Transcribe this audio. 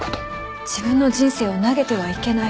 自分の人生を投げてはいけない。